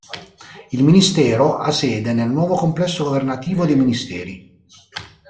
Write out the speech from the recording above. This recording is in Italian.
Il Ministero ha sede nel "nuovo complesso governativo dei Ministeri".